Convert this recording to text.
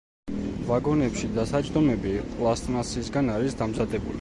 ვაგონებში დასაჯდომები პლასტმასისგან არის დამზადებული.